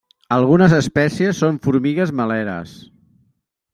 Algunes espècies són formigues meleres.